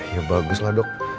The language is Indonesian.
ya baguslah dok